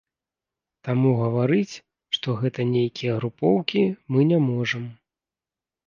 Таму гаварыць, што гэта нейкія групоўкі, мы не можам.